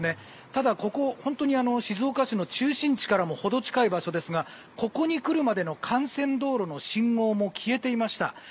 ただ、ここ、本当に静岡市の中心地からもほど近い場所ですがここに来るまでの幹線道路の信号も消えていました。